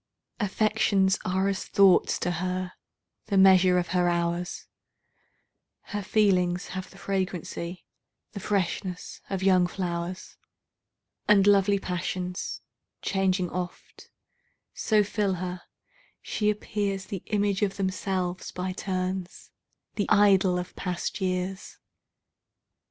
Affections are as thoughts to her, the measures of her hours; Her feelings have the fragrancy, the freshness, of young flowers; And lovely passions, changing oft, so fill her, she appearsThe image of themselves by turns,—the idol of past years!